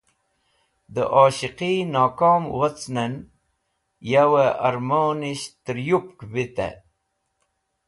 De Oshiqi Nokom wocnen yoway Armonisht ter yupk Vitey